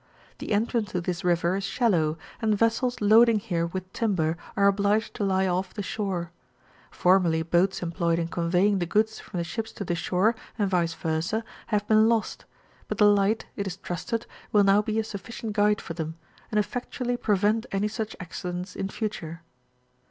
The entrance to this river is shallow, and vessels loading here with timber are obliged to lie off the shore : formerly boats employed in conveymg the goods from the ships to the shore, and vice versdj have been lost; but the light, it is trusted, will now be a sufficient guide for them, and effectually prevent any such accidents in future.